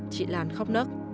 chị lan khóc nức